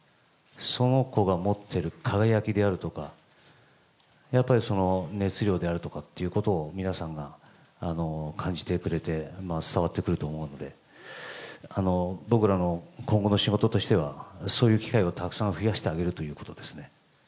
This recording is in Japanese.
その子が持ってる輝きであるとか、やっぱり熱量であるとかっていうことを皆さんが感じてくれて、伝わってくると思うので、僕らの今後の仕事としては、そういう機会をたくさん増やしてあげるということですね。